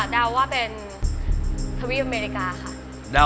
เดาว่าเป็น